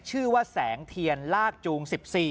ชื่อว่าแสงเทียนลากจูง๑๔